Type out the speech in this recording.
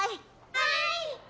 はい！